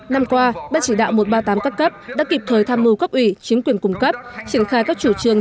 năm qua ban chỉ đạo một trăm ba mươi tám các cấp đã kịp thời tham mưu cấp ủy chính quyền cung cấp triển khai các chủ trương